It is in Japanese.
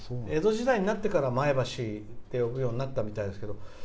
江戸時代になってから前橋って呼ぶようになったみたいですけど。